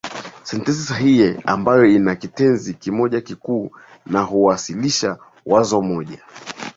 Sentensi sahili ambayo ina kitenzi kimoja kikuu na huwasilisha wazo moja.